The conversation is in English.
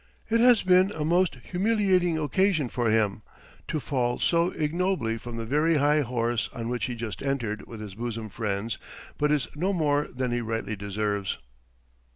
It has been a most humiliating occasion for him, to fall so ignobly from the very high horse on which he just entered with his bosom friends; but it is no more than he rightly deserves.